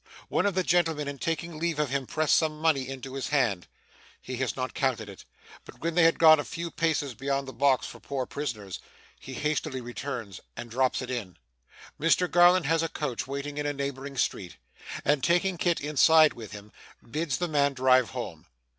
One of the gentlemen, in taking leave of him, pressed some money into his hand. He has not counted it; but when they have gone a few paces beyond the box for poor Prisoners, he hastily returns and drops it in. Mr Garland has a coach waiting in a neighbouring street, and, taking Kit inside with him, bids the man drive home.